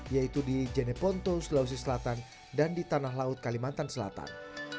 yaitu di jeneponto sulawesi selatan dan di tanah laut kalimantan selatan